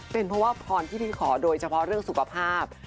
เป็นเพราะว่าพรที่พี่ขอโดยเฉพาะเรื่องสุขภาพ